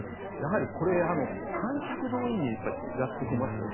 やはりこれ観客動員が違ってきますよね。